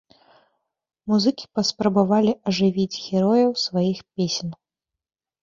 Музыкі паспрабавалі ажывіць герояў сваіх песень.